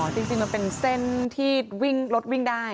จริงมันเป็นเส้นที่รถวิ่งได้